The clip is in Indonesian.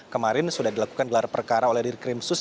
kemarin sudah dilakukan gelar perkara oleh dirkrimsus